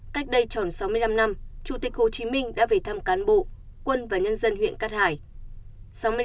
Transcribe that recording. cách đây tròn sáu mươi năm năm chủ tịch hồ chí minh đã về thăm cán bộ quân và nhân dân huyện cát hải